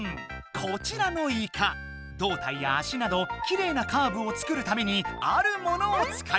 こちらのイカどう体や足などきれいなカーブを作るためにあるものを使います。